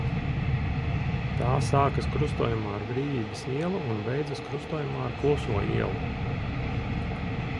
Tā sākas krustojumā ar Brīvības ielu un beidzas krustojumā ar Kluso ielu.